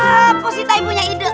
ah positai punya ide